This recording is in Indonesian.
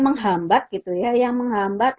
menghambat gitu ya yang menghambat